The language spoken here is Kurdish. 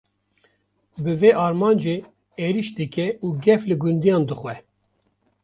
Bi vê armancê, êrîş dike û gef li gundiyan dixwe